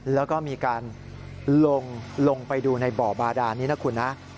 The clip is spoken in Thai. แล้วก็มีการลงไปดูในบ่อบาดานนี้นะคุณนะ